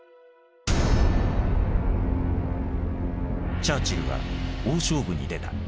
チャーチルは大勝負に出た。